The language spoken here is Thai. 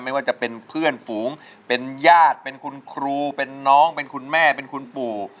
ไม่ว่าจะเป็นเพื่อนฝูงเป็นญาติเป็นคุณครูเป็นน้องเป็นคุณแม่เป็นคุณปู่